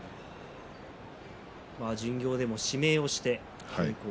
巡業でも指名をして。